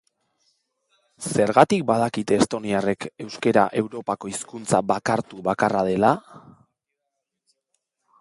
Zergatik badakite estoniarrek euskara Europako hizkuntza bakartu bakarra dela?